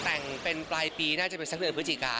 แต่งเป็นปลายปีน่าจะเป็นสักเดือนพฤศจิกา